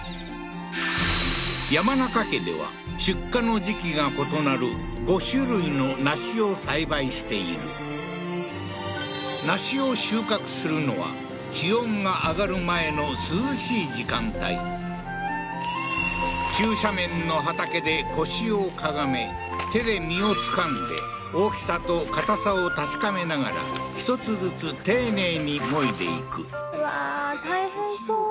山中家では出荷の時期が異なる５種類の梨を栽培している梨を収穫するのは気温が上がる前の涼しい時間帯急斜面の畑で腰をかがめ手で実をつかんで大きさと硬さを確かめながらひとつずつ丁寧にもいでいくうわー大変そう